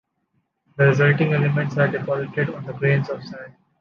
The resulting elements are deposited on the grains of sand.